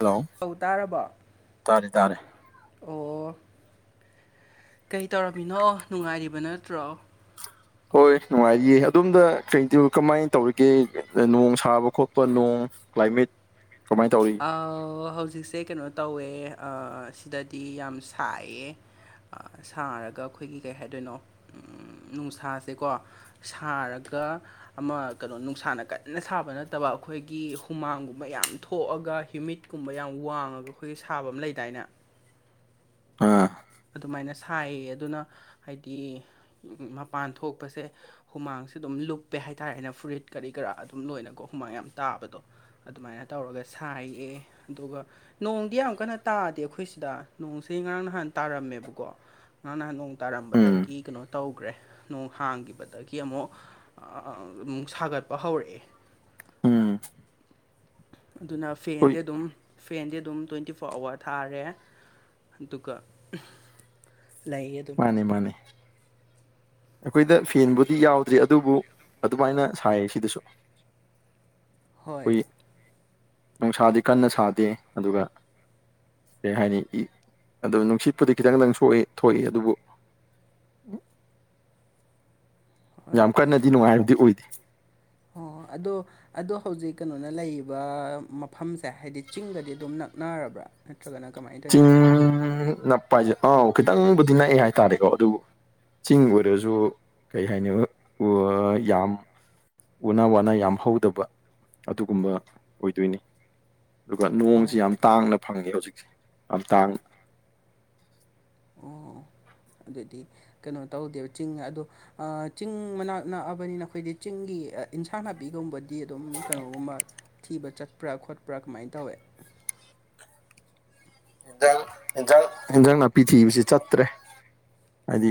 Hello ꯇꯧ ꯇꯥꯔꯕ ꯇꯥꯔꯦ ꯇꯥꯔꯦ ꯑꯣ ꯀꯩ ꯇꯧꯔꯝꯃꯤꯅꯣ ꯅꯨꯡꯉꯥꯏꯔꯤꯕ ꯅꯠꯇ꯭ꯔꯣ ꯍꯣꯏ ꯅꯨꯡꯉꯥꯏꯌꯦ ꯑꯗꯣꯝꯗ ꯀꯩꯗꯨ ꯀꯃꯥꯏꯅ ꯇꯧꯔꯤꯒꯦ ꯅꯣꯡ ꯁꯥꯕ ꯈꯣꯠꯄ ꯅꯣꯡ ꯀ꯭ꯂꯥꯏꯃꯦꯠ ꯀꯃꯥꯏ ꯇꯧꯏ ꯑꯧ ꯍꯧꯖꯤꯛꯁꯦ ꯀꯩꯅꯣ ꯇꯧꯋꯦ ꯑꯥ ꯁꯤꯗꯗꯤ ꯌꯥꯝ ꯁꯥꯏꯌꯦ ꯑꯥ ꯁꯥꯔꯒ ꯑꯩꯈꯣꯏꯒꯤ ꯀꯩ ꯍꯥꯏꯗꯣꯏꯅꯣ ꯎꯝ ꯅꯨꯡꯁꯥꯁꯦꯀꯣ ꯁꯥꯔꯒ ꯑꯃ ꯀꯩꯅꯣ ꯅꯨꯡꯁꯥꯅ ꯀꯟꯅ ꯁꯥꯕ ꯅꯠꯇꯕ ꯑꯩꯈꯣꯏꯒꯤ ꯍꯨꯃꯥꯡꯒꯨꯝꯕ ꯌꯥꯝ ꯊꯣꯛ ꯄꯣꯛꯑꯒ ꯍꯌꯨꯃꯤꯠꯀꯨꯝꯕ ꯌꯥꯝ ꯋꯥꯡꯉꯒ ꯑꯩꯈꯣꯏꯒꯤ ꯁꯥꯕ ꯑꯃ ꯂꯩꯗꯥꯏꯅꯦ ꯑꯥ ꯑꯗꯨꯃꯥꯏꯅ ꯁꯥꯏꯌꯦ ꯑꯗꯨꯅ ꯍꯥꯏꯗꯤ ꯃꯄꯥꯟ ꯊꯣꯛꯄꯁꯦ ꯍꯨꯃꯥꯡꯁꯦ ꯑꯗꯨꯝ ꯂꯨꯞꯄꯦ ꯍꯥꯏꯇꯥꯔꯦꯅꯦ ꯐꯨꯔꯤꯠ ꯀꯔꯤ ꯀꯔꯥ ꯑꯗꯨꯝ ꯂꯣꯏꯅꯀꯣ ꯍꯨꯃꯥꯡ ꯌꯥꯝ ꯇꯥꯕꯗꯣ ꯑꯗꯨꯃꯥꯏꯅ ꯇꯧꯔꯒ ꯁꯥꯏꯌꯦ ꯑꯗꯨꯒ ꯅꯣꯡꯗꯤ ꯌꯥꯝ ꯀꯟꯅ ꯇꯥꯗꯦ ꯑꯩꯈꯣꯏꯁꯤꯗ ꯅꯣꯡꯁꯤ ꯉꯔꯥꯡ ꯅꯍꯥꯟ ꯇꯥꯔꯝꯃꯦꯕꯀꯣ ꯉꯔꯥꯡ ꯅꯍꯥꯟ ꯅꯣꯡ ꯎꯝ ꯇꯥꯔꯝꯕꯗꯒꯤ ꯀꯩꯅꯣ ꯇꯧꯒ꯭ꯔꯦ ꯅꯣꯡ ꯍꯥꯡꯈꯤꯕꯗꯒꯤ ꯑꯃꯨꯛ [unintelligible] ꯑꯃꯨꯛ ꯁꯥꯒꯠꯄ ꯍꯧꯔꯛꯑꯦ ꯎꯝ ꯑꯗꯨꯅ ꯑꯩꯈꯣꯏ ꯐꯦꯟꯗꯤ ꯑꯗꯨꯝ ꯐꯦꯟꯗꯤ ꯑꯗꯨꯝ ꯇ꯭ꯋꯦꯟꯇꯤ ꯐꯣꯔ ꯑꯋꯥꯔ ꯊꯥꯔꯦ ꯑꯗꯨꯒ ꯂꯩꯌꯦ ꯑꯗꯨꯝ ꯃꯥꯅꯤ ꯃꯥꯅꯦ ꯑꯩꯈꯣꯏꯗ ꯐꯦꯟꯕꯨꯗꯤ ꯌꯥꯎꯗ꯭ꯔꯤ ꯑꯗꯨꯕꯨ ꯑꯗꯨꯃꯥꯏꯅ ꯁꯥꯏꯌꯦ ꯁꯤꯗꯁꯨ ꯍꯣꯏ [unintelligible] ꯅꯨꯡꯁꯥꯗꯤ ꯀꯟꯅ ꯁꯥꯗꯦ ꯑꯗꯨꯒ ꯀꯩ ꯍꯥꯏꯅꯤ ꯏ ꯑꯗꯨ ꯅꯨꯡꯁꯤꯠꯄꯨꯗꯤ ꯈꯤꯇꯪꯗꯪ ꯁꯣꯛꯏ ꯊꯣꯛꯏ ꯑꯗꯨꯕꯨ ꯍꯣꯏ ꯌꯥꯝ ꯀꯟꯅꯗꯤ ꯅꯨꯡꯉꯥꯏꯕꯗꯤ ꯑꯣꯏꯗꯦ ꯑꯣ ꯑꯗꯣ ꯑꯗꯣ ꯍꯧꯖꯤꯛ ꯀꯩꯅꯣꯅ ꯂꯩꯔꯤꯕ ꯃꯐꯝꯁꯦ ꯍꯥꯏꯗꯤ ꯆꯤꯡꯒꯗꯤ ꯑꯗꯨꯝ ꯅꯛꯅꯔꯕ꯭ꯔꯥ ꯅꯠꯇ꯭ꯔꯒꯅ ꯀꯃꯥꯏ ꯆꯤꯡ ꯅꯛꯄ ꯍꯥꯏꯁꯦ ꯑꯥꯎ ꯈꯤꯇꯪꯕꯨꯗꯤ ꯅꯛꯑꯦ ꯍꯥꯏꯇꯥꯔꯦꯀꯣ ꯑꯗꯨꯕꯨ ꯆꯤꯡ ꯑꯣꯏꯔꯁꯨ ꯀꯩ ꯍꯥꯏꯅꯤ [unintelligible] ꯌꯥꯝ ꯎꯅꯥ ꯋꯥꯅ ꯌꯥꯝ ꯍꯧꯗꯕ ꯑꯗꯨꯒꯨꯝꯕ ꯑꯣꯏꯗꯣꯏꯅꯤ ꯑꯗꯨꯒ ꯅꯣꯡꯁꯤ ꯑꯣ ꯌꯥꯝ ꯇꯥꯡꯅ ꯐꯪꯉꯦ ꯍꯧꯖꯤꯛꯁꯦ ꯌꯥꯝ ꯇꯥꯡ ꯑꯣ ꯑꯗꯨꯗꯤ ꯀꯩꯅꯣ ꯇꯧꯗꯦꯕ ꯆꯤꯡ ꯑꯗꯣ ꯑꯥ ꯆꯤꯡ ꯃꯅꯥꯛ ꯅꯛꯑꯕꯅꯤꯅ ꯑꯩꯈꯣꯏꯗꯤ ꯆꯤꯡꯒꯤ ꯏꯟꯁꯥꯡ ꯅꯥꯄꯤꯒꯨꯝꯕ ꯗꯤ ꯑꯗꯨꯝ ꯀꯩꯅꯣꯒꯨꯝꯕ ꯊꯤꯕ ꯆꯠꯄ꯭ꯔꯥ ꯈꯣꯠꯄ꯭ꯔꯥ ꯀꯃꯥꯏꯅ ꯇꯧꯋꯦ [unintelligible] ꯍꯟꯖꯥꯡ ꯌꯦꯟꯖꯥꯡ ꯅꯥꯄꯤ ꯊꯤꯕꯁꯤ ꯆꯠꯇ꯭ꯔꯦ ꯍꯥꯏꯗꯤ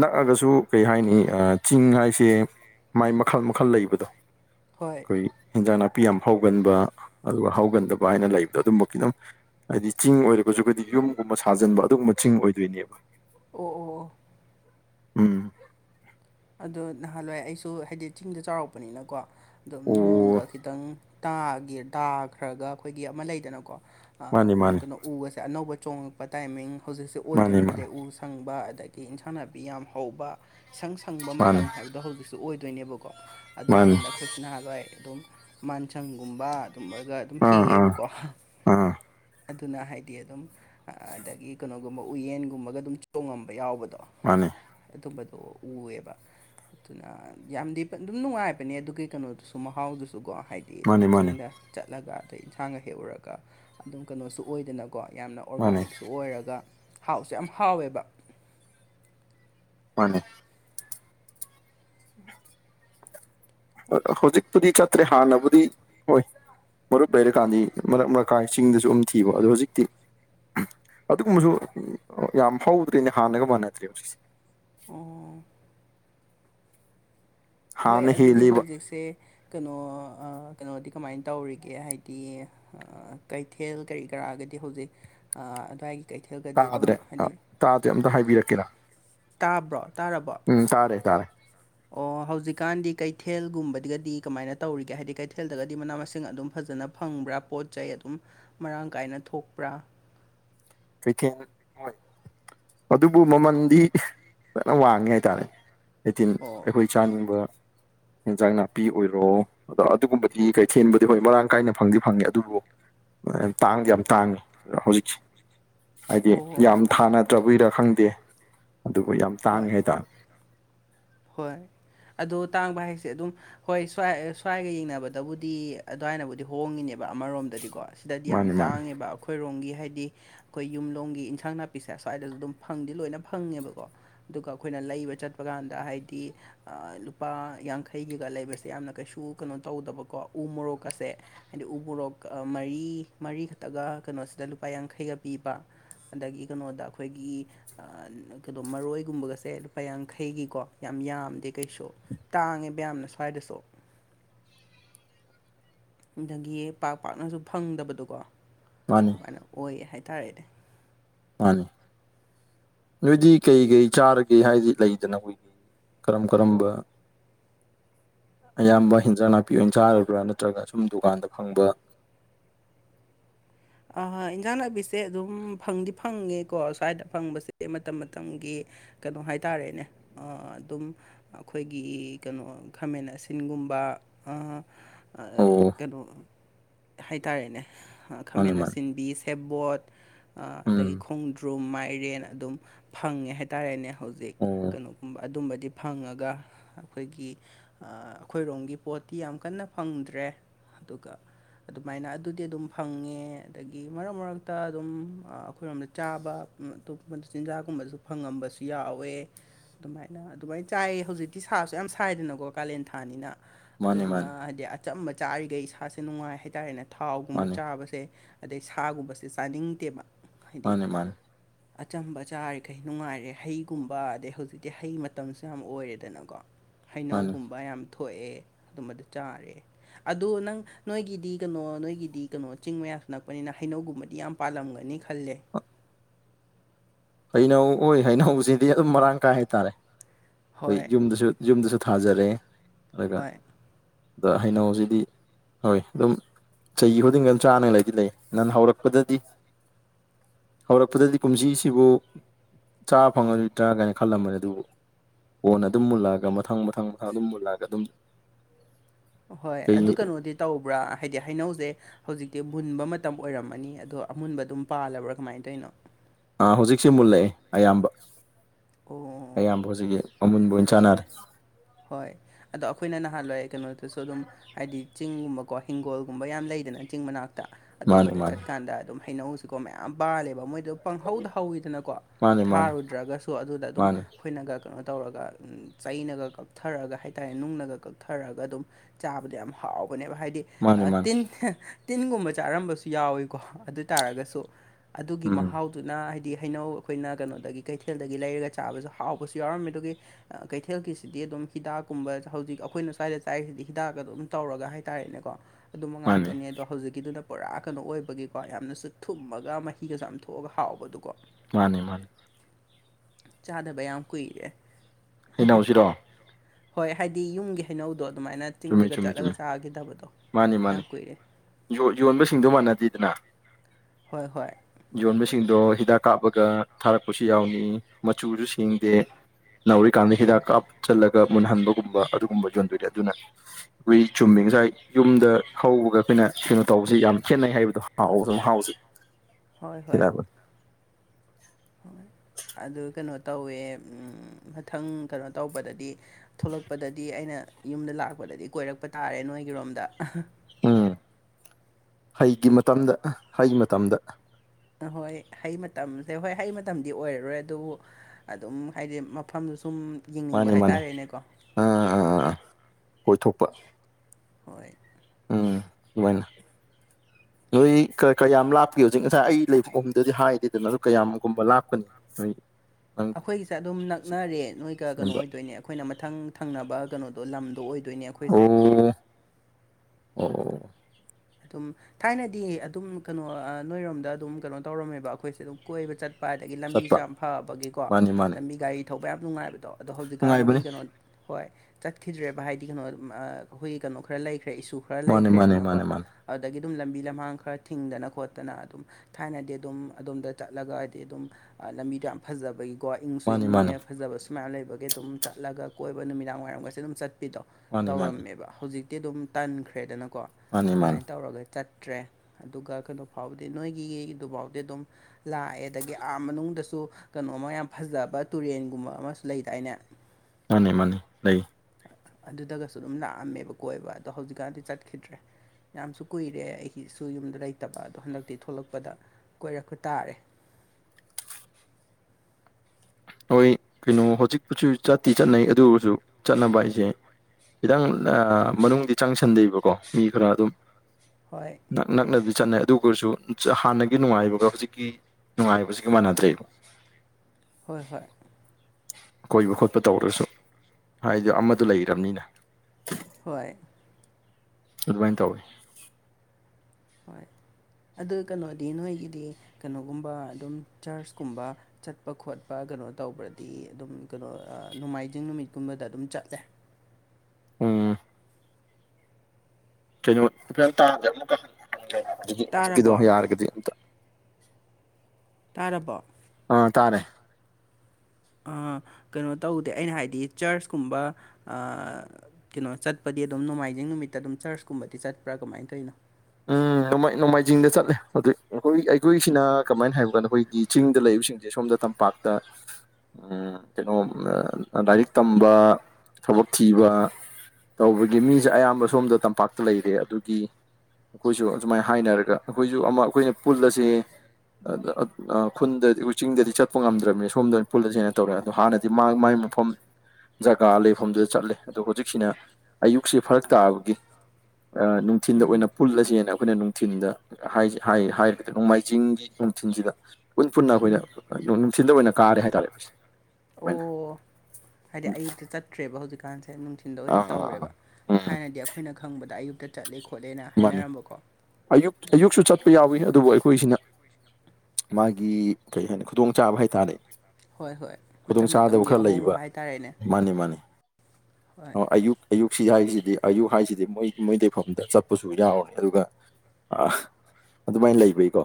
ꯅꯛꯑꯒꯁꯨ ꯀꯩ ꯍꯥꯏꯅꯤ ꯑꯥ ꯆꯤꯡ ꯍꯥꯏꯁꯦ ꯃꯥꯏ ꯃꯈꯜ ꯃꯈꯜ ꯂꯩꯕꯗꯣ ꯍꯣꯏ ꯑꯩꯈꯣꯏ ꯍꯟꯖꯥꯡ ꯅꯥꯄꯤ ꯌꯥꯝ ꯍꯧꯒꯟꯕ ꯑꯗꯨꯒ ꯍꯧꯒꯟꯗꯕ ꯍꯥꯏꯅ ꯂꯩꯕꯗꯣ ꯑꯗꯨꯝꯕ ꯈꯤꯇꯪ ꯍꯥꯏꯗꯤ ꯆꯤꯡ ꯑꯣꯏꯔꯒꯁꯨ ꯑꯩꯈꯣꯏꯗꯤ ꯌꯨꯝꯒꯨꯝꯕ ꯁꯥꯖꯟꯕ ꯑꯗꯨꯒꯨꯝꯕ ꯆꯤꯡ ꯑꯣꯏꯗꯣꯏꯅꯦꯕ ꯑꯣ ꯑꯣ ꯑꯣ ꯎꯝ ꯑꯗꯣ ꯅꯍꯥꯟꯋꯥꯏ ꯑꯩꯁꯨ ꯍꯥꯏꯗꯤ ꯆꯤꯡꯗ ꯆꯥꯎꯔꯛꯄꯅꯤꯅꯀꯣ ꯑꯗꯨꯝ ꯅꯣꯡꯒ ꯑꯣ ꯈꯤꯇꯪ ꯇꯥꯒꯤ ꯇꯥꯈ꯭ꯔꯒ ꯑꯩꯈꯣꯏꯒꯤ ꯑꯃ ꯂꯩꯗꯅꯀꯣ ꯃꯥꯅꯤ ꯃꯥꯅꯤ ꯀꯩꯅꯣ ꯎꯒꯁꯦ ꯑꯅꯧꯕ ꯆꯣꯡꯉꯛꯄ ꯇꯥꯏꯃꯤꯡ ꯍꯧꯖꯤꯛꯁꯦ ꯃꯥꯅꯤ ꯑꯣꯏꯗꯣꯏꯅꯦꯕ ꯃꯥꯅꯤ ꯎꯁꯦ ꯁꯪꯕ ꯑꯗꯒꯤ ꯏꯟꯁꯥꯟ ꯅꯥꯕꯤ ꯌꯥꯝ ꯍꯧꯕ ꯏꯁꯪ ꯁꯪꯕ ꯃꯥꯅꯤ ꯃꯇꯝ ꯍꯥꯏꯕꯗꯣ ꯍꯧꯖꯤꯛꯁꯤꯅꯦ ꯁꯨ ꯑꯣꯏꯗꯣꯏꯅꯦꯕꯀꯣ ꯃꯥꯅꯤ ꯑꯗꯨꯀꯥꯟꯗ ꯑꯩꯈꯣꯏꯁꯤ ꯅꯍꯥꯟꯋꯥꯏ ꯑꯗꯨꯝ ꯃꯟꯁꯪꯒꯨꯝꯕ ꯑꯗꯨꯝꯕꯒ ꯑꯗꯨꯨꯝ ꯑꯥ ꯑꯥ ꯍꯦꯛꯑꯦꯚꯀꯣ ꯑꯥ ꯑꯗꯨꯅ ꯍꯥꯏꯗꯤ ꯑꯗꯨꯝ ꯑꯗꯒꯤ ꯀꯩꯅꯣꯒꯨꯝꯕ ꯎꯌꯦꯟꯒꯨꯝꯕꯒ ꯑꯗꯨꯝ ꯆꯣꯡꯉꯝꯕ ꯌꯥꯎꯕꯗꯣ ꯃꯥꯅꯦ ꯑꯗꯨꯝꯕꯗꯣ ꯎꯑꯦꯕ ꯑꯗꯨꯅ ꯌꯥꯝꯗꯤ ꯑꯗꯨꯝ ꯅꯨꯡꯉꯥꯏꯕꯅꯦ ꯑꯗꯨꯒꯤ ꯀꯩꯅꯣꯗꯨꯁꯨ ꯃꯍꯥꯎꯗꯨꯁꯨꯀꯣ ꯍꯥꯏꯗꯤ ꯍꯥꯏꯗꯤ ꯑꯗꯨꯝ ꯃꯥꯅꯤ ꯃꯥꯅꯤ ꯆꯤꯡꯗ ꯆꯠꯂꯒ ꯑꯗꯩ ꯏꯟꯁꯥꯡꯒ ꯍꯦꯛꯎꯔꯒ ꯑꯗꯨꯝ ꯀꯩꯅꯣꯁꯨ ꯑꯣꯏꯗꯅꯀꯣ ꯌꯥꯝꯅ ꯃꯥꯅꯤ ꯑꯣꯔꯒꯥꯅꯤꯛꯁꯨ ꯑꯣꯏꯔꯒ ꯍꯥꯎꯁꯨ ꯌꯥꯝ ꯍꯥꯎꯋꯦꯕ ꯃꯥꯅꯦ ꯍꯧꯖꯤꯛꯄꯨꯗꯤ ꯆꯠꯇ꯭ꯔꯦ ꯍꯥꯟꯅꯕꯨꯗꯤ ꯍꯣꯏ ꯃꯔꯨꯞ ꯂꯩꯔꯀꯥꯟꯗꯤ ꯃꯔꯛ ꯃꯔꯀꯥꯏ ꯆꯤꯡꯗꯁꯨ ꯑꯗꯨꯝ ꯊꯤꯕ ꯑꯗꯣ ꯍꯧꯖꯤꯛꯇꯤ ꯑꯗꯨꯒꯨꯝꯕꯁꯨ ꯌꯥꯝ ꯍꯧꯗ꯭ꯔꯦꯅꯦ ꯍꯥꯟꯅꯒ ꯃꯥꯟꯅꯗ꯭ꯔꯦ ꯍꯧꯖꯤꯛꯁꯦ ꯑꯣ ꯍꯣꯏ ꯍꯥꯟꯅ ꯑꯗꯨꯗꯤ ꯍꯦꯜꯂꯦꯕ ꯍꯧꯖꯤꯛꯁꯦ ꯀꯩꯅꯣ ꯀꯩꯅꯣꯗꯤ ꯀꯃꯥꯏꯅ ꯇꯧꯔꯤꯒꯦ ꯍꯥꯏꯗꯤ ꯀꯩꯊꯦꯜ ꯀꯔꯤ ꯀꯔꯥꯑꯒꯗꯤ ꯍꯧꯖꯤꯛ ꯑꯗꯨꯋꯥꯏꯒꯤ ꯀꯩꯊꯦꯜꯒꯗꯤ ꯑꯗꯨꯝ ꯇꯥꯗ꯭ꯔꯦ ꯑ ꯍꯥꯏꯗꯤ ꯇꯥꯗꯦ ꯑꯝꯇ ꯍꯥꯏꯕꯤꯔꯛꯀꯦꯔ꯫ ꯇꯥꯕ꯭ꯔꯣ ꯇꯥꯔꯥꯕꫭ ꯇꯥꯔꯦ ꯇꯥꯔꯦ ꯑꯣ ꯍꯧꯖꯤꯛꯀꯥꯟꯗꯤ ꯀꯩꯊꯦꯜꯒꯨꯝꯕꯗꯒꯗꯤ ꯀꯃꯥꯏꯅ ꯇꯧꯔꯤꯒꯦ ꯍꯥꯏꯗꯤ ꯀꯩꯊꯦꯜꯗꯒꯗꯤ ꯃꯅꯥ ꯃꯁꯤꯡ ꯑꯗꯨꯝ ꯐꯖꯅ ꯐꯪꯕ꯭ꯔꯥ ꯄꯣꯠ ꯆꯩ ꯑꯗꯨꯝ ꯃꯔꯥꯡ ꯀꯥꯏꯅ ꯊꯣꯛꯄ꯭ꯔꯥ ꯑꯩꯀ ꯍꯣꯏ ꯑꯗꯨꯕꯨ ꯃꯃꯜꯗꯤ ꯐꯖꯅ ꯋꯥꯡꯉꯦ ꯍꯥꯏꯇꯥꯔꯦ ꯑꯩꯇꯤꯟ ꯑꯣ ꯑꯩꯈꯣꯏ ꯆꯥꯅꯤꯡꯕ ꯌꯦꯟꯖꯥꯡ ꯅꯥꯄꯤ ꯑꯣꯏꯔꯣ ꯑꯗꯣ ꯑꯗꯨꯒꯨꯝꯕꯗꯤ ꯀꯩꯊꯦꯜꯕꯨꯗꯤ ꯍꯣꯏ ꯃꯔꯥꯡ ꯀꯥꯏꯅ ꯐꯪꯗꯤ ꯐꯪꯉꯤ ꯑꯗꯨꯕꯨ ꯇꯥꯡ ꯌꯥꯝ ꯇꯥꯡꯉꯤ ꯍꯧꯖꯤꯛꯁꯦ ꯍꯥꯏꯗꯤ ꯑꯣ ꯌꯥꯝ ꯊꯥꯅꯗ꯭ꯔꯕꯔꯥ ꯈꯪꯗꯦ ꯑꯗꯨꯕꯨ ꯌꯥꯝ ꯍꯣꯏ ꯇꯥꯡꯉꯦ ꯍꯥꯏꯇꯥꯔ ꯍꯣꯏ ꯑꯗꯣ ꯇꯥꯡꯕ ꯍꯥꯏꯁꯦ ꯑꯗꯨꯝ ꯍꯣꯏ ꯁ꯭ꯋꯥꯏ ꯁ꯭ꯋꯥꯏꯒ ꯌꯦꯡꯅꯕꯗꯕꯨꯗꯤ ꯑꯗꯨꯋꯥꯏꯅꯕꯨꯗꯤ ꯍꯣꯡꯉꯤꯅꯦꯕ ꯑꯃꯔꯣꯝꯗꯗꯤꯀꯣ ꯁꯤꯗꯗꯤ ꯌꯥꯝ ꯃꯥꯅꯤ ꯃꯥꯅꯤ ꯇꯥꯡꯉꯦꯕ ꯑꯩꯈꯣꯏꯔꯣꯝꯒꯤ ꯍꯥꯏꯗꯤ ꯑꯩꯈꯣꯏ ꯌꯨꯝꯂꯣꯡꯒꯤ ꯏꯟꯁꯥꯡ ꯅꯥꯄꯤꯁꯦ ꯁꯋꯥꯏꯗꯁꯨ ꯑꯗꯨꯝ ꯐꯪꯗꯤ ꯂꯣꯏꯅ ꯐꯪꯉꯦꯕꯀꯣ ꯑꯗꯨꯒ ꯑꯩꯈꯣꯏꯅ ꯂꯩꯕ ꯆꯠꯄ ꯀꯥꯟꯗ ꯍꯥꯏꯗꯤ ꯂꯨꯄꯥ ꯌꯥꯡꯈꯩꯒꯤꯒ ꯂꯩꯕꯁꯦ ꯌꯥꯝꯅ ꯀꯩꯁꯨ ꯀꯩꯅꯣ ꯇꯧꯗꯕꯀꯣ ꯎ ꯃꯣꯔꯣꯛꯀꯁꯦ ꯎꯃꯨꯔꯣꯛ ꯃꯔꯤ ꯃꯔꯤ ꯈꯛꯇꯒ ꯀꯩꯅꫭꯁꯤꯗ ꯂꯨꯄꯥ ꯌꯥꯡꯈꯩꯒ ꯄꯤꯕ ꯑꯗꯒꯤ ꯀꯩꯅꯣꯗ ꯑꯩꯈꯣꯏꯒꯤ ꯀꯩꯅꯣ ꯃꯔꯣꯏꯒꯨꯝꯕꯒꯁꯦ ꯂꯨꯄꯥ ꯌꯥꯡꯈꯩꯒꯤꯀꯣ ꯌꯥꯝ ꯌꯥꯝꯗꯦ ꯀꯩꯁꯨ ꯇꯥꯡꯉꯦ ꯃꯌꯥꯝꯅ ꯁ꯭ꯋꯥꯏꯗꯁꯨ ꯑꯗꯒꯤ ꯄꯥꯛ ꯄꯥꯛꯅꯁꯨ ꯐꯪꯗꯕꯗꯣꯀꯣ ꯃꯥꯅꯦ ꯑꯗꯨꯃꯥꯏꯅ ꯑꯣꯏꯌꯦ ꯍꯥꯏꯇꯥꯔꯦꯅꯦ ꯃꯥꯅꯤ ꯅꯣꯏꯗꯤ ꯀꯩ ꯀꯩ ꯆꯥꯔꯒꯦ ꯍꯥꯏꯗꯤ ꯂꯩꯗꯅ ꯀꯔꯝ ꯀꯔꯝꯕ ꯑꯌꯥꯝꯕ ꯍꯤꯟꯖꯥꯡ ꯅꯥꯄꯤ ꯑꯣꯏꯅ ꯆꯥꯔꯕ꯭ꯔꯥ ꯅꯠꯇ꯭ꯔꯒ ꯁꯨꯝ ꯗꯨꯀꯥꯟꯗ ꯐꯪꯕ ꯏꯟꯖꯥꯡ ꯅꯥꯕꯤꯁꯦ ꯑꯗꯨꯝ ꯐꯪꯗꯤ ꯐꯪꯉꯦꯀꯣ ꯁ꯭ꯋꯥꯏꯗ ꯐꯪꯕꯁꯦ ꯃꯇꯝ ꯃꯇꯝꯒꯤ ꯀꯩꯅꯣ ꯍꯥꯏꯇꯥꯔꯦꯅꯦ ꯑꯗꯨꯝ ꯑꯩꯈꯣꯏꯒꯤ ꯀꯩꯅꯣ ꯈꯥꯃꯦꯟ ꯑꯁꯤꯟꯒꯨꯝꯕ ꯑꯣ ꯀꯩꯅꯣ ꯍꯥꯏꯇꯥꯔꯦꯅꯦ ꯃꯥꯅꯤ ꯈꯥꯃꯦꯟ ꯃꯥꯅꯤ ꯑꯁꯤ ꯑꯁꯤꯟꯕꯤ ꯁꯦꯕꯣꯠ ꯎꯝ ꯑꯗꯒꯤ ꯈꯣꯡꯗ꯭ꯔꯨꯝ ꯃꯥꯏꯔꯦꯟ ꯑꯗꯨꯝ ꯐꯪꯉꯦ ꯍꯥꯏꯇꯥꯔꯦꯅꯦ ꯍꯧꯖꯤꯛ ꯑꯣ ꯀꯩꯅꯣꯒꯨꯝꯕ ꯑꯗꯨꯝꯕꯗꯤ ꯐꯪꯉꯒ ꯑꯩꯈꯣꯏꯒꯤ ꯑꯩꯈꯣꯏꯔꯣꯝꯒꯤ ꯄꯣꯠꯇꯤ ꯌꯥꯝ ꯀꯟꯅ ꯐꯪꯗ꯭ꯔꯦ ꯑꯗꯨꯒ ꯑꯗꯨꯃꯥꯏꯅ ꯑꯗꯨꯗꯤ ꯑꯗꯨꯝ ꯐꯪꯉꯦ ꯑꯗꯒꯤ ꯃꯔꯛ ꯃꯔꯛꯇ ꯑꯗꯨꯝ ꯑꯩꯈꯣꯏꯔꯣꯝꯗ ꯆꯥꯕ ꯑꯇꯣꯞꯄꯗ ꯆꯤꯟꯖꯥꯛꯒꯨꯝꯕꯁꯨ ꯐꯪꯉꯝꯕꯁꯨ ꯌꯥꯎꯋꯦ ꯑꯗꯨꯃꯥꯏꯅ ꯑꯗꯨꯃꯥꯏꯅ ꯆꯥꯏ ꯍꯧꯖꯤꯛꯇꯤ ꯁꯥꯁꯨ ꯌꯥꯝ ꯁꯥꯏꯗꯅꯀꯣ ꯀꯥꯂꯦꯟ ꯊꯥꯅꯤꯅ ꯃꯥꯅꯤ ꯑꯗꯨꯗꯨꯅ ꯃꯥꯅꯤ ꯍꯥꯏꯗꯤ ꯑꯆꯝꯕ ꯆꯥꯔꯤꯈꯩ ꯏꯁꯥꯁꯦ ꯅꯨꯡꯉꯥꯏ ꯍꯥꯏꯇꯥꯔꯦꯅꯦ ꯊꯥꯎꯒꯨꯝꯕ ꯃꯥꯅꯤ ꯆꯥꯕꯁꯦ ꯑꯗꯩ ꯁꯥꯒꯨꯝꯕꯁꯦ ꯆꯥꯅꯤꯡꯗꯦꯕ ꯍꯥꯏꯗꯤ ꯃꯥꯅꯤ ꯃꯥꯅꯤ ꯑꯆꯝꯕ ꯆꯥꯔꯤꯈꯩ ꯅꯨꯡꯉꯥꯏꯔꯦ ꯍꯩꯒꯨꯝꯕ ꯑꯗꯩ ꯍꯧꯖꯤꯛꯇꯤ ꯍꯩ ꯃꯇꯝꯁꯨ ꯌꯥꯝ ꯑꯣꯏꯔꯦꯗꯅꯀꯣ ꯃꯥꯅꯤ ꯍꯩꯅꯧꯒꯨꯝꯕ ꯌꯥꯝ ꯊꯣꯛꯑꯦ ꯑꯗꯨꯝꯕꯗ ꯆꯥꯏ ꯑꯗꯨ ꯅꯪ ꯅꯣꯏꯒꯤꯗꯤ ꯀꯩꯅꯣ ꯅꯣꯏꯒꯤꯗꯤ ꯀꯩꯅꯣ ꯆꯤꯡ ꯃꯌꯥ ꯅꯛꯄꯅꯤꯅ ꯍꯩꯅꯧꯒꯨꯝꯕꯗꯤ ꯌꯥꯝ ꯄꯥꯜꯂꯝꯒꯅꯤ ꯈꯜꯂꯦ ꯑꯛ ꯍꯩꯅꯧ ꯍꯣꯏ ꯍꯩꯅꯧꯁꯤꯗꯤ ꯑꯗꯨꯝ ꯃꯔꯥꯡ ꯀꯥꯏ ꯍꯥꯏꯇꯥꯔꯦ ꯑꯩꯈꯣꯏ ꯍꯣꯏ ꯌꯨꯝꯗꯁꯨ ꯌꯨꯝꯗꯁꯨ ꯊꯥꯖꯔꯛꯑꯦ ꯑꯗꯨꯒ ꯍꯣꯏ ꯑꯗ ꯍꯩꯅꯧꯁꯤꯗꯤ ꯍꯣꯏ ꯑꯗꯨꯝ ꯆꯍꯤ ꯈꯨꯗꯤꯡꯒ ꯆꯥꯅꯤꯡ ꯂꯩꯗꯤ ꯂꯩ ꯅꯪ ꯍꯧꯔꯛꯄꯗꯗꯤ ꯍꯧꯔꯛꯄꯗꯗꯤ ꯀꯨꯝꯁꯤꯁꯤꯕꯨ ꯆꯥꯕ ꯐꯪꯉꯣꯏꯗ꯭ꯔꯥꯅꯦ ꯈꯜꯂꯝꯕꯅꯤ ꯑꯗꯨꯕꯨ ꯀꯣꯟ ꯑꯗꯨꯝ ꯃꯨꯜꯂꯛꯑꯒ ꯃꯊꯪ ꯃꯊꯪ ꯃꯊꯪ ꯑꯗꯨꯝ ꯃꯨꯜꯂꯛꯑꯒ ꯑꯗꯨꯝ ꯍꯣꯏ ꯀꯩ ꯑꯗꯨ ꯀꯩꯅꯣꯗꯤ ꯇꯧꯕ꯭ꯔꯥ ꯍꯥꯏꯗꯤ ꯍꯩꯅꯧꯁꯦ ꯍꯧꯖꯤꯛꯇꯤ ꯃꯨꯟꯕ ꯃꯇꯝ ꯑꯣꯏꯔꯝꯃꯅꯤ ꯑꯗꯣ ꯑꯃꯨꯟꯕ ꯑꯗꯨꯝ ꯄꯥꯜꯂꯕ꯭ꯔꯥ ꯀꯃꯥꯏꯅ ꯇꯧꯔꯤꯅꯣ ꯑꯥ ꯍꯧꯖꯤꯛꯁꯦ ꯃꯨꯜꯂꯛꯑꯦ ꯑꯌꯥꯝꯕ ꯑꯣ ꯑꯌꯥꯝꯕ ꯍꯧꯖꯤꯛꯀꯤ ꯑꯃꯨꯟꯕ ꯑꯣꯏꯅ ꯆꯥꯟꯅꯔꯦ꯫ ꯍꯣꯏ ꯑꯗꯣ ꯑꯩꯈꯣꯏꯅ ꯅꯍꯥꯟꯋꯥꯏ ꯀꯩꯅꯣꯗꯁꯨ ꯑꯗꯨꯝ ꯍꯥꯏꯗꯤ ꯆꯤꯡꯒꯨꯝꯕꯀꯣ ꯍꯤꯡꯒꯣꯜꯒꯨꯝꯕ ꯌꯥꯝ ꯂꯩꯗꯅ ꯆꯤꯡ ꯃꯅꯥꯛꯇ ꯃꯥꯅꯤ ꯑꯗꯨꯝꯕꯗ ꯃꯥꯅꯤ ꯆꯠꯀꯥꯟꯗ ꯑꯗꯨꯝ ꯍꯩꯅꯧꯁꯤꯀꯣ ꯃꯌꯥꯝ ꯄꯥꯜꯂꯦꯕ ꯃꯣꯏꯗꯣ ꯄꯪꯍꯧꯗ ꯍꯧꯋꯤꯗꯅꯀꯣ ꯃꯥꯅꯤ ꯊꯥꯔꯨꯗ꯭ꯔꯒꯁꯨ ꯑꯗꯨꯗ ꯑꯗꯨꯝ ꯃꯥꯅꯤ ꯃꯥꯅꯤ ꯑꯩꯈꯣꯏꯅꯒ ꯀꯩꯅꯣ ꯇꯧꯔꯒ ꯆꯩꯅꯒ ꯀꯛꯊꯔꯒ ꯍꯥꯏꯇꯥꯔꯦ ꯅꯨꯡꯅꯒ ꯀꯛꯊꯔꯒ ꯑꯗꯨꯝ ꯆꯥꯕꯗ ꯌꯥꯝ ꯍꯥꯎꯕꯅꯦꯕ ꯍꯥꯏꯗꯤ ꯃꯥꯅꯤ ꯃꯥꯅꯤ ꯇꯤꯟ ꯇꯤꯟꯒꯨꯝꯕ ꯆꯥꯔꯝꯕꯁꯨ ꯌꯥꯎꯋꯤꯀꯣ ꯑꯗꯨ ꯇꯥꯔꯒꯁꯨ ꯑꯗꯨꯒꯤ ꯎꯝ ꯃꯍꯥꯎꯗꯨꯅ ꯍꯥꯏꯗꯤ ꯍꯩꯅꯧ ꯑꯩꯈꯣꯏꯅ ꯀꯩꯅꯣꯗꯒꯤ ꯀꯩꯊꯦꯜꯗꯒꯤ ꯂꯩꯔꯒ ꯆꯥꯕꯁꯨ ꯍꯥꯎꯕꯁꯨ ꯌꯥꯎꯔꯝꯃꯦ ꯑꯗꯨꯒꯤ ꯀꯩꯊꯦꯜꯒꯤꯁꯤꯗꯤ ꯑꯗꯨꯝ ꯍꯤꯗꯥꯛꯀꯨꯝꯕ ꯍꯧꯖꯤꯛ ꯑꯩꯈꯣꯏꯅ ꯁ꯭ꯋꯥꯏꯗ ꯆꯥꯏꯔꯤꯁꯤꯗꯤ ꯍꯤꯗꯥꯛꯀ ꯑꯗꯨ ꯑꯗꯨꯝ ꯇꯧꯔꯒ ꯍꯥꯏꯇꯥꯔꯦꯅꯦꯀꯣ ꯑꯗꯨꯃ ꯃꯥꯅꯤ ꯉꯥꯛꯇꯅꯤ ꯑꯗꯣ ꯍꯧꯖꯤꯛꯀꯤꯗꯨꯗ ꯄꯨꯔꯥ ꯀꯩꯅꯣ ꯑꯣꯏꯕꯒꯤꯀꯣ ꯌꯥꯝꯅꯁꯨ ꯊꯨꯝꯃꯒ ꯃꯍꯤꯒ ꯆꯥꯝꯊꯣꯛꯑꯒ ꯍꯥꯎꯕꯗꯀꯣ ꯃꯥꯅꯦ ꯃꯥꯅꯦ ꯆꯥꯗꯕ ꯌꯥꯝ ꯀꯨꯏꯔꯦ ꯍꯅꯥꯎꯁꯤꯔꯣ ꯍꯣꯏ ꯍꯥꯏꯗꯤ ꯌꯨꯝꯒꯤ ꯍꯩꯅꯧꯗꯣ ꯑꯗꯨꯃꯥꯏꯅ ꯆꯨꯝꯃꯤ ꯆꯤꯡꯗꯒ ꯆꯨꯝꯃꯤ ꯆꯠꯂꯒ ꯆꯨꯝꯃꯤ ꯆꯥꯈꯤꯗꯕꯗꯣ ꯃꯥꯅꯤ ꯌꯥꯝ ꯃꯥꯅꯤ ꯀꯨꯏꯔꯦ ꯌꯣ ꯌꯣꯟꯕꯁꯤꯡꯗꯣ ꯃꯥꯟꯅꯗꯦꯗꯅ ꯍꯣꯏ ꯍꯣꯏ ꯌꯣꯟꯕꯁꯤꯡꯗꯣ ꯍꯤꯗꯥꯛ ꯀꯥꯞꯄꯒ ꯊꯥꯔꯛꯄꯁꯨ ꯌꯥꯎꯅꯤ ꯃꯆꯨꯁꯨ ꯁꯦꯡꯗꯦ ꯅꯧꯔꯤꯀꯥꯟꯗ ꯍꯣꯏ ꯍꯤꯗꯥꯛ ꯀꯥꯞꯆꯜꯂꯒ ꯃꯨꯟꯍꯟꯕꯒꯨꯝꯕ ꯑꯗꯨꯒꯨꯝꯕ ꯌꯣꯟꯗꯣꯏꯔ ꯑꯗꯨꯅ ꯑꯩꯈꯣꯏ ꯆꯨꯝꯃꯤ ꯉꯁꯥꯏ ꯌꯨꯝꯗ ꯍꯧꯕꯒ ꯑꯩꯈꯣꯏꯅ ꯀꯩꯅꯣ ꯇꯧꯕꯁꯤ ꯌꯥꯝ ꯈꯦꯠꯅꯩ ꯍꯥꯏꯕꯗꯣ ꯍꯥꯎ ꯑꯗꯨ ꯍꯥꯎꯖꯩ ꯍꯣꯏ ꯍꯣꯏ ꯍꯣꯏ ꯑꯗꯨ ꯀꯩꯅꯣ ꯇꯧꯋꯦ ꯃꯊꯪ ꯀꯩꯅꯣ ꯇꯧꯕꯗꯗꯤ ꯊꯣꯛꯂꯛꯄꯗꯗꯤ ꯑꯩꯅ ꯌꯨꯝꯗ ꯂꯥꯛꯄꯗꯗꯤ ꯀꯣꯏꯔꯛꯄ ꯇꯥꯔꯦ ꯅꯣꯏꯒꯤꯔꯣꯝꯗ ꯎꯝ ꯍꯩꯒꯤ ꯃꯇꯝꯗ ꯍꯩ ꯃꯇꯝꯗ ꯍꯣꯏ ꯍꯩ ꯃꯇꯝꯁꯦ ꯍꯣꯏ ꯍꯩ ꯃꯇꯝꯗꯤ ꯑꯣꯏꯔꯔꯣꯏ ꯑꯗꯨꯕꯨ ꯑꯗꯨꯝ ꯍꯥꯏꯗꯤ ꯃꯐꯝꯗꯨ ꯁꯨꯝ ꯌꯦꯡꯅꯤꯡꯕ ꯃꯥꯅꯤ ꯃꯥꯅꯤ ꯍꯥꯏꯇꯥꯔꯦꯅꯦꯀꯣ ꯑꯥ ꯑꯥ ꯑꯥ ꯑꯥ ꯀꯣꯏꯊꯣꯛꯄ ꯍꯣꯏ ꯎꯝꯕꯥꯏꯅ ꯅꯣꯏ ꯀꯌꯥꯝ ꯂꯥꯞꯀ ꯍꯧꯖꯤꯛ ꯉꯁꯥꯏ ꯑꯩ ꯂꯩꯕ ꯑꯍꯨꯝꯗꯨꯗꯤ ꯍꯥꯏꯗꯦꯗꯅꯁꯨ ꯀꯌꯥꯝꯒꯨꯝꯕ ꯂꯥꯞꯄꯅꯤ ꯐꯩ ꯑꯩꯈꯣꯏꯒꯤꯁꯦ ꯑꯗꯨꯝ ꯅꯛꯅꯔꯦ ꯅꯣꯏꯒ ꯀꯩꯅꯣ ꯁꯦꯝꯕ ꯑꯣꯏꯗꯣꯏꯅꯦꯕ ꯑꯩꯈꯣꯏꯅ ꯃꯊꯪ ꯊꯪꯅꯕ ꯀꯩꯅꯣꯗꯣ ꯂꯝꯗꯣ ꯑꯣꯏꯗꯣꯏꯅꯦ ꯑꯩꯈꯣꯏꯁꯦ ꯑꯣ ꯑꯣ ꯑꯗꯨꯝ ꯊꯥꯏꯅꯗꯤ ꯑꯗꯨꯝ ꯀꯩꯅꯣ ꯑ ꯅꯣꯏꯔꯣꯝꯗ ꯑꯗꯨꯝ ꯀꯩꯅꯣ ꯇꯧꯔꯝꯃꯦꯕ ꯑꯩꯈꯣꯏꯁꯦ ꯑꯗꯨꯝ ꯀꯣꯏꯕ ꯆꯠ ꯎꯄꯥꯏꯗꯒꯤ ꯂꯝꯕꯤꯁꯨ ꯆꯠꯄ ꯌꯥꯝ ꯐꯕꯒꯤꯀꯣ ꯃꯥꯅꯤ ꯃꯥꯅꯤ ꯂꯝꯕꯤ ꯒꯥꯔꯤ ꯊꯧꯕ ꯌꯥꯝ ꯅꯨꯡꯉꯥꯏꯕꯗꯣ ꯑꯗꯣ ꯍꯧꯖꯤꯛꯀꯥꯟꯗꯤ ꯅꯨꯡꯉꯥꯏꯕꯅꯤ ꯀꯩꯅꯣ ꯍꯣꯏ ꯆꯠꯈꯤꯗ꯭ꯔꯦꯕ ꯍꯥꯏꯗꯤ ꯀꯩꯅꯣ ꯑꯩꯈꯣꯏꯒꯤ ꯀꯩꯅꯣ ꯈꯔ ꯂꯩꯈ꯭ꯔꯦ ꯏꯁꯨ ꯈꯔ ꯃꯥꯅꯤ ꯃꯥꯅꯤ ꯂꯩꯈ꯭ꯔꯦꯗꯅꯀꯣ ꯃꯥꯅꯤ ꯃꯥꯅꯤ ꯑꯗꯨꯗꯒꯤ ꯑꯗꯨꯝ ꯂꯝꯕꯤ ꯂꯝꯍꯥꯡ ꯈꯔ ꯊꯤꯡꯗꯅ ꯈꯣꯠꯇꯅ ꯑꯗꯨꯝ ꯊꯥꯏꯅꯗꯤ ꯑꯗꯨꯝ ꯑꯗꯣꯝꯗ ꯆꯠꯂꯒ ꯍꯥꯏꯗꯤ ꯑꯗꯨꯝ ꯂꯝꯕꯤꯗꯣ ꯌꯥꯝ ꯐꯖꯕꯒꯤ ꯀꯣ ꯏꯪꯁꯨ ꯃꯥꯅꯤ ꯏꯪꯉꯦ ꯃꯥꯅꯤ ꯐꯖꯕꯁꯨꯨꯃꯌꯥꯝ ꯂꯩꯕꯒꯤ ꯑꯗꯨꯝ ꯆꯠꯂꯒ ꯀꯣꯏꯕ ꯅꯨꯃꯤꯗꯥꯡ ꯋꯥꯏꯔꯝꯒꯁꯨꯦ ꯑꯗꯨꯝ ꯆꯠꯄꯤꯗꯣ ꯃꯥꯅꯤ ꯃꯥꯅꯤ ꯇꯧꯔꯝꯃꯦꯕ ꯍꯧꯖꯤꯛꯇꯤ ꯑꯗꯨꯝ ꯇꯟꯈ꯭ꯔꯦꯗꯅꯀꯣ ꯃꯥꯅꯤ ꯃꯥꯅꯤ ꯑꯗꯨꯃꯥꯏꯅ ꯇꯧꯔꯒ ꯆꯠꯇ꯭ꯔꯦ ꯑꯗꯨꯒ ꯀꯩꯅꯣ ꯐꯥꯎꯕꯗꯤ ꯅꯣꯏꯒꯤꯗꯨꯐꯥꯎꯗꯤ ꯑꯗꯨꯝ ꯂꯥꯛꯑꯦ ꯑꯗꯒꯤ ꯑꯥ ꯃꯅꯨꯡꯗꯁꯨ ꯀꯩꯅꯣꯝꯃ ꯌꯥꯝ ꯐꯖꯕ ꯇꯨꯔꯦꯟꯒꯨꯝꯕ ꯑꯃꯁꯨ ꯂꯩꯗꯥꯏꯅꯦ ꯃꯥꯅꯦ ꯃꯥꯅꯦ ꯂꯩ ꯑꯗꯨꯗꯒꯁꯨ ꯑꯗꯨꯝ ꯂꯥꯛꯑꯝꯃꯦꯕ ꯀꯣꯏꯕ ꯑꯗꯣ ꯍꯧꯖꯤꯛꯀꯥꯟꯗꯤ ꯆꯠꯈꯤꯗ꯭ꯔꯦ ꯌꯥꯝꯁꯨ ꯀꯨꯏꯔꯦ ꯑꯩꯁꯨ ꯌꯨꯝꯗ ꯂꯩꯇꯕ ꯑꯗꯣ ꯍꯟꯗꯛꯇꯤ ꯊꯣꯛꯂꯛꯄꯗ ꯀꯣꯏꯔꯛꯄ ꯇꯥꯔꯦ ꯍꯣꯏ ꯀꯩꯅꯣ ꯍꯧꯖꯤꯛꯄꯨ ꯁꯨ ꯆꯠꯇꯤ ꯆꯠꯅꯩ ꯑꯗꯨꯄꯨꯁꯨ ꯆꯠꯅꯕ ꯍꯥꯏꯁꯦ ꯈꯤꯇꯪ ꯑ ꯃꯅꯨꯡꯗꯤ ꯆꯪꯁꯟꯗꯤꯕꯀꯣ ꯃꯤ ꯈꯔ ꯑꯗꯨꯝ꯫ ꯍꯣꯏ꯫ ꯅꯛ ꯅꯛꯅꯗꯤ ꯆꯠꯅꯩ ꯑꯗꯨ ꯑꯣꯏꯔꯁꯨ ꯍꯥꯟꯅꯒꯤ ꯅꯨꯡꯉꯥꯏꯕꯒ ꯍꯧꯖꯤꯛꯀꯤ ꯅꯨꯡꯉꯥꯏꯕꯁꯤꯒ ꯃꯥꯟꯅꯗ꯭ꯔꯦꯕ ꯍꯣꯏ ꯍꯣꯏ꯫ ꯀꯣꯏꯕ ꯈꯣꯠꯄ ꯇꯧꯔꯁꯨ ꯍꯥꯏꯗꯤ ꯑꯃꯗꯣ ꯂꯩꯔꯝꯅꯤꯅ꯫ ꯍꯣꯏ꯫ ꯑꯗꯨꯃꯥꯏꯟ ꯇꯧꯋꯦ꯫ ꯍꯣꯏ ꯑꯗꯨ ꯀꯥꯅꯣꯗꯤ ꯅꯣꯏꯒꯤꯗꯤ ꯀꯩꯅꯣꯒꯨꯝꯕ ꯑꯗꯨꯝ ꯆꯔꯆꯀꯨꯝꯕ ꯆꯠꯄ ꯈꯣꯠꯄ ꯀꯩꯅꯣ ꯇꯧꯕ꯭ꯔꯗꯤ ꯑꯗꯨꯝ ꯀꯩꯅꯣ ꯑ ꯅꯣꯡꯃꯥꯏꯖꯤꯡ ꯅꯨꯃꯤꯠꯀꯨꯝꯕꯗ ꯑꯗꯨꯝ ꯆꯠꯂꯦ꯫ ꯎꯝ꯫ ꯀꯩꯅꯣ ꯀꯩꯝ ꯇꯥꯗ꯭ꯔꯦ ꯖꯤꯛꯀꯤꯗꯣ ꯖꯤꯛꯀꯤꯗꯣ ꯇꯥꯔꯕꯣ ꯌꯥꯔꯒꯗꯤ ꯑꯝꯇ ꯇꯥꯔꯕꯣ꯫ ꯑꯥ ꯇꯥꯔꯦ꯫ ꯑ ꯀꯩꯅꯣ ꯇꯧꯗꯦ ꯑꯩꯅ ꯍꯥꯏꯗꯤ ꯆꯔꯆꯀꯨꯝꯕ ꯑꯥ ꯀꯩꯅꯣ ꯆꯠꯄꯗꯤ ꯑꯗꯨꯝ ꯅꯣꯡꯃꯥꯏꯖꯤꯡ ꯅꯨꯃꯤꯠꯇ ꯑꯗꯨꯝ ꯆꯔꯆꯀꯨꯝꯕꯗꯤ ꯆꯠꯄ꯭ꯔꯥ ꯀꯃꯥꯏꯅ ꯇꯧꯔꯤꯅꯣ꯫ ꯎꯝ ꯅꯣꯡꯃꯥꯏ ꯅꯣꯡꯃꯥꯏꯖꯤꯡꯗ ꯆꯠꯂꯦ ꯑꯗꯨ ꯑꯩꯈꯣꯏ ꯑꯩꯈꯣꯏꯁꯤꯅ ꯀꯃꯥꯏꯅ ꯍꯥꯏꯕ ꯀꯥꯟꯗ ꯑꯩꯈꯣꯏꯒꯤ꯫ ꯆꯤꯡꯗ ꯂꯩꯕꯁꯤꯡꯁꯦ ꯁꯣꯝꯗ ꯇꯝꯄꯥꯛꯇ ꯑꯝ ꯀꯩꯅꯣ ꯂꯥꯏꯔꯤꯛ ꯇꯝꯕ ꯊꯕꯛ ꯊꯤꯕ꯫ ꯇꯧꯕꯒꯤ ꯃꯤꯖꯦ ꯑꯌꯥꯝꯕ ꯁꯣꯝꯗ ꯇꯝꯄꯥꯛꯇ ꯂꯩꯔꯦ ꯑꯗꯨꯒꯤ꯫ ꯑꯈꯣꯏꯁꯨ ꯑꯗꯨꯃꯥꯏꯟ ꯍꯥꯏꯅꯔꯒ ꯑꯩꯈꯣꯏꯁꯨ ꯑꯃ ꯑꯩꯈꯣꯏꯅ ꯄꯨꯜꯂꯁꯦ꯫ ꯑꯗ ꯑꯗ ꯑ ꯈꯨꯟꯗꯗꯤ ꯍꯣꯢ ꯆꯤꯡꯗꯗꯤ ꯆꯠꯄ ꯉꯝꯗ꯭ꯔꯕꯅꯤ ꯁꯣꯝꯗ ꯑꯣꯏꯅ ꯄꯨꯜꯂꯁꯦꯅ ꯇꯧꯔꯦ ꯑꯗꯣ ꯍꯥꯟꯅꯗꯤ ꯃꯥ ꯃꯥꯏ ꯐꯝ ꯖꯒꯥ ꯂꯩꯐꯝꯗꯨꯗ ꯆꯠꯂꯦ ꯑꯗꯣ ꯍꯧꯖꯤꯛꯁꯤꯅ ꯑꯌꯨꯛꯁꯦ ꯐꯔꯛ ꯇꯥꯕꯒꯤ꯫ ꯑ ꯅꯨꯡꯊꯤꯟꯗ ꯎꯝ ꯑꯣꯏꯅ꯫ ꯄꯨꯜꯂꯁꯦꯅ ꯑꯩꯈꯣꯏꯅ ꯅꯨꯡꯊꯤꯟꯗ ꯍꯥꯢꯔꯖꯤ ꯍꯥꯏꯔ ꯍꯥꯏꯔꯒꯗꯤ ꯅꯣꯡꯃꯥꯏꯖꯤꯡꯒꯤ ꯅꯨꯡꯊꯤꯟꯖꯤꯗ꯫ ꯄꯨꯟ ꯄꯨꯟꯅ ꯑꯈꯣꯏꯅ ꯎꯝ ꯅꯨꯡꯊꯤꯜꯗ ꯑꯣꯏꯅ ꯀꯥꯔꯦ ꯍꯥꯏꯇꯥꯔꯦ ꯑꯈꯣꯏꯅ꯫ ꯑꯣ ꯍꯥꯏꯗꯤ ꯑꯌꯨꯛꯇ ꯆꯠꯇ꯭ꯔꯦꯕ ꯍꯧꯖꯤꯛꯀꯥꯟꯁꯦ ꯅꯨꯡꯊꯤꯟꯜꯗ ꯑꯥ ꯑꯣꯏꯅ ꯑꯥ ꯑꯥ ꯇꯧꯔꯦꯕ ꯎꯝ ꯊꯥꯏꯅꯗꯤ ꯑꯩꯈꯣꯏꯅ ꯈꯪꯕꯗ ꯑꯌꯨꯛꯇ ꯆꯠꯂꯦ ꯈꯣꯠꯂꯦꯅ ꯍꯥꯏꯅꯔꯝꯕꯀꯣ ꯗꯨꯢ ꯌꯥꯎꯋꯤ ꯑꯗꯨꯕꯨ ꯑꯩꯈꯣꯏꯁꯤꯅ ꯃꯥꯒꯤ ꯀꯩ ꯍꯥꯏꯅꯤ ꯈꯨꯗꯣꯡꯆꯥꯥꯕ ꯍꯥꯏꯇꯥꯔꯦ ꯍꯣꯏ ꯍꯣꯏ ꯃꯇꯝ ꯃꯇꯝꯒꯤ ꯑꯍꯣꯡꯕ ꯍꯥꯏꯇꯥꯔꯦꯅꯦ ꯃꯥꯅꯦ ꯃꯥꯅꯦ ꯍꯣꯏ ꯑꯣ ꯑꯌꯨꯛ ꯑꯌꯨꯛꯁꯤ ꯍꯥꯏꯁꯤꯗꯤ ꯑꯌꯨꯛ ꯍꯥꯏꯁꯤꯗꯤ ꯃꯣꯏ ꯃꯣꯏ ꯂꯩꯐꯝꯗ ꯆꯞꯄꯩ ꯄꯨꯁꯨ ꯌꯥꯎꯔꯅꯤ ꯑꯗꯨꯒ ꯑ ꯑꯗꯨꯃꯥꯏꯟ ꯂꯩꯕꯩꯀꯣ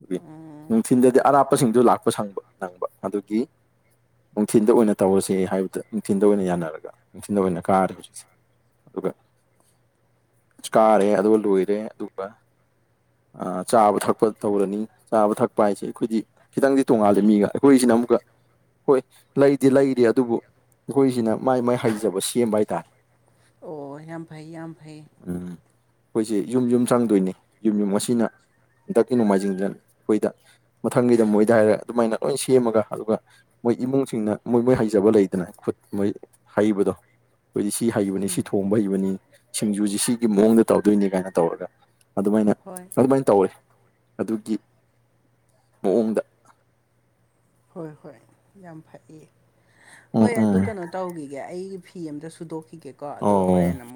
ꯗꯨꯒꯤ ꯎꯝ ꯅꯨꯡꯊꯤꯟꯗꯗꯤ ꯑꯔꯥꯞꯄꯁꯤꯡꯗꯨ ꯂꯥꯛꯄ ꯁꯪꯕ ꯅꯪꯕ ꯑꯗꯨꯒꯤ ꯅꯨꯡꯊꯤꯟꯗ ꯑꯣꯏꯅ ꯇꯧꯔꯁꯦ ꯍꯥꯏꯕꯗ ꯅꯨꯡꯊꯤꯟꯗ ꯑꯣꯏꯅ ꯌꯥꯅꯔꯒ ꯅꯨꯡꯊꯤꯟꯜꯗ ꯑꯣꯏꯅ ꯀꯥꯔꯦ ꯍꯧꯖꯤꯛꯁꯦ ꯑꯗꯨꯒ ꯀꯥꯔꯦ ꯑꯗꯨꯒ ꯂꯣꯏꯔꯦ ꯑꯗꯨꯒ ꯑ ꯆꯥꯕ ꯊꯛꯄ ꯇꯧꯔꯅꯤ ꯆꯥꯕ ꯊꯛꯄ ꯍꯥꯏꯁꯦ ꯑꯩꯈꯣꯏꯗꯤ ꯈꯤꯇꯪꯗꯤ ꯇꯣꯡꯉꯥꯜꯂꯦ ꯃꯤꯒ ꯑꯩꯈꯣꯏꯁꯤꯅ ꯑꯃꯨꯛꯀ ꯍꯣꯏ ꯂꯩꯗꯤ ꯂꯩꯔꯤ ꯑꯗꯨꯕꯨ ꯑꯈꯣꯏꯁꯤꯅ ꯃꯥꯏ ꯃꯥꯏ ꯍꯩꯖꯕ ꯁꯦꯝꯕ ꯍꯥꯏꯇꯥꯔꯦ꯫ ꯑꯣ ꯌꯥꯝ ꯐꯩ ꯌꯥꯝ ꯐꯩ ꯎꯝ ꯑꯩꯈꯣꯏꯖꯦ ꯌꯨꯝ ꯌꯨꯝ ꯆꯪꯗꯣꯏꯅꯤ ꯌꯨꯝ ꯌꯨꯝ ꯉꯁꯤꯅ ꯍꯟꯗꯛꯀꯤ ꯅꯣꯡꯃꯥꯏꯖꯤꯡꯗ ꯑꯈꯣꯏꯗ ꯃꯊꯪꯒꯤꯗ ꯃꯣꯏꯗ ꯍꯥꯏꯔꯦ ꯑꯗꯨꯃꯥꯏꯅ ꯂꯣꯏ ꯁꯦꯝꯃꯒ ꯑꯗꯨꯒ ꯃꯣꯏ ꯏꯃꯨꯡꯁꯤꯡꯅ ꯃꯣꯏ ꯃꯣꯏ ꯍꯩꯖꯕ ꯂꯩꯗꯅ ꯈꯨꯠ ꯃꯣꯏ ꯍꯩꯕꯗꯣ ꯈꯣꯏꯗꯤ ꯁꯤ ꯍꯩꯕꯅꯦ ꯁꯤ ꯎꯝ ꯊꯣꯡꯕ ꯍꯩꯕꯅꯤ ꯁꯤꯡꯖꯨꯁꯤ ꯁꯤꯒꯤ ꯃꯑꯣꯡꯗ ꯇꯧꯗꯣꯏꯅꯤ ꯀꯥꯏꯅ ꯇꯧꯔꯒ ꯑꯗꯨꯃꯥꯢꯅ ꯍꯣꯏ ꯑꯗꯨꯃꯥꯏꯅ ꯇꯧꯋꯤ ꯑꯗꯨꯒꯤ ꯃꯑꯣꯡꯗ ꯍꯣꯏ ꯍꯣꯏ ꯌꯥꯝ ꯐꯩꯌꯦ ꯎꯝ ꯍꯣꯏ ꯑꯗꯨ ꯎꯝ ꯀꯩꯅꯣ ꯇꯧꯈꯤꯒꯦ ꯑꯩꯒꯤ ꯐꯤ ꯑꯃꯇ ꯁꯨꯗꯣꯛꯈꯤꯒꯦꯀꯣ ꯑꯗꯨꯒ ꯑꯣ ꯍꯣꯔꯦꯟ ꯑꯃꯨꯛ